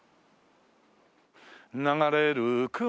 「流れる雲よ